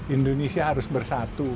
indonesia harus bersatu